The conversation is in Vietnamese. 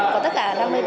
có tất cả năm mươi bạn